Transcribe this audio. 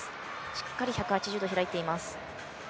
しっかり１８０度開いています。